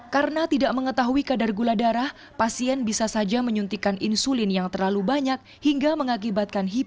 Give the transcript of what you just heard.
karena tidak mengetahui kadar gula darah pasien bisa saja menyuntikan insulin yang terlalu banyak hingga mengakibatkan hiperglikemia